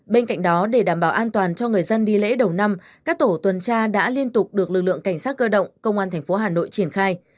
bên cạnh đó để đảm bảo an toàn cho người dân đi lễ đầu năm các tổ tuần tra đã liên tục được lực lượng cảnh sát cơ động công an thành phố hà nội triển khai